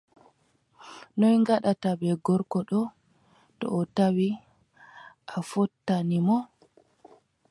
Noy ngaɗataa bee gorko ɗoo, to o tawi a fottani mo ?